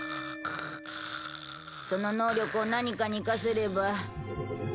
その能力を何かに生かせれば。